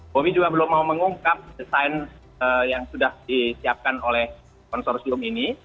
kami juga belum mau mengungkap desain yang sudah disiapkan oleh konsorsium ini